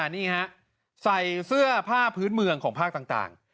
นี่ฮะใส่เสื้อผ้าพื้นเมืองของภาคต่าง